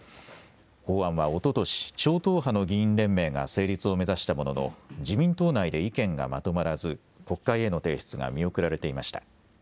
法案はおととし超党派の議員連盟が成立を目指したものの自民党内で意見がまとまらず国会への提出が見送られていました。